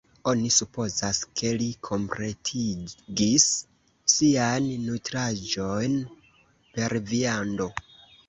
Oni supozas, ke li kompletigis sian nutraĵon per viando.